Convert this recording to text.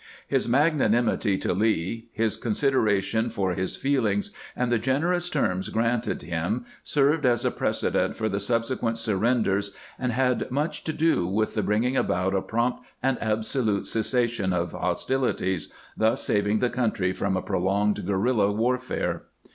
His magnanimity to Lee, his consideration for his feelings, and the generous terms granted him, served as a precedent for subsequent surrenders, and had much to do with bringing about a prompt and absolute cessa tion of hostilities, thus saving the country from a pro longed guerrUla warfare.